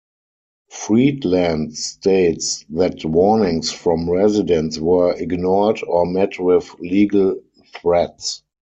Freedland states that warnings from residents were ignored or met with legal threats.